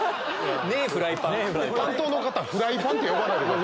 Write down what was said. フライパンって呼ばないでください。